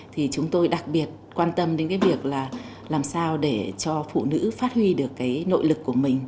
thì chúng tôi đặc biệt quan tâm đến việc làm sao để cho phụ nữ phát huy được nội lực